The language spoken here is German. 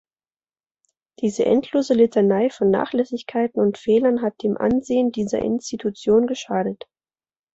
Diese endlose Litanei von Nachlässigkeiten und Fehlern hat dem Ansehen dieser Institution geschadet.